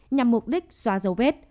nhằm mục đích xóa dấu vết